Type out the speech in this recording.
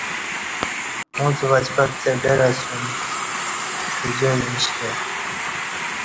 اݩڅ وچپکڅہ ڈر اسیوم ستہ جائ ایݩش کہ